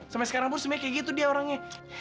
sampai sekarang pun sebenarnya kayak gitu dia orangnya